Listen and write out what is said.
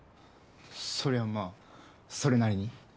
そりゃまあそれなりに。